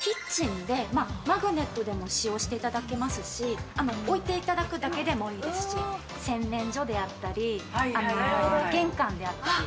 キッチンで、マグネットでも使用していただけますし、置いていただくだけでもいいですし、洗面所であったり、玄関であったり。